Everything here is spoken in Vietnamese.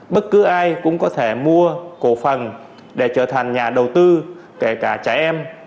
bất cứ ai cũng có thể mua cổ phần để trở thành nhà đầu tư kể cả trẻ em